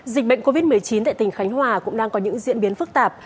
dịch bệnh covid một mươi chín tại tỉnh khánh hòa cũng đang có những diễn biến phức tạp